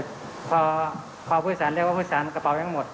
แต่พอผู้สารเรียกว่าผู้สารกระเป๋ายังหมด